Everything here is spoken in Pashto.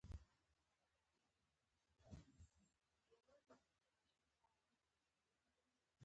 بلې خوا ته یوه تورپوستې جوړه راسره کېناسته.